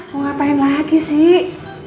mau ngapain lagi sih